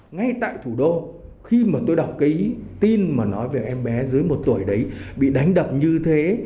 ngay tại thủ đô khi mà tôi đọc cái tin mà nói về em bé dưới một tuổi đấy bị đánh đập như thế